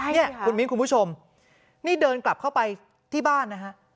เนี่ยคุณมิ้นคุณผู้ชมนี่เดินกลับเข้าไปที่บ้านนะฮะ